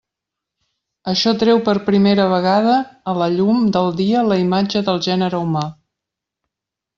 Això treu per primera vegada a la llum del dia la imatge del gènere humà.